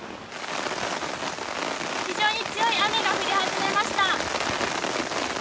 非常に強い雨が降り始めました。